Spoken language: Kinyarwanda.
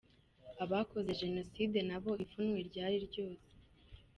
Abakoze Jenoside na bo ipfunwe ryari ryose.